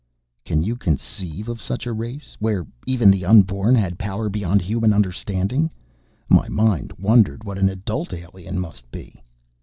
Can you conceive of such a race? Where even the unborn had power beyond human understanding? My mind wondered what the adult Alien must be.